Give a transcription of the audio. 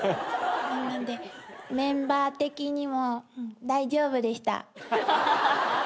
なのでメンバー的にも大丈夫でした。